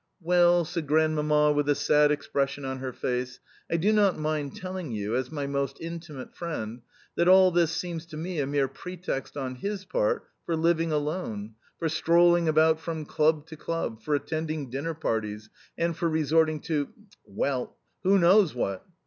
"Well," said Grandmamma with a sad expression on her face, "I do not mind telling you, as my most intimate friend, that all this seems to me a mere pretext on his part for living alone, for strolling about from club to club, for attending dinner parties, and for resorting to well, who knows what?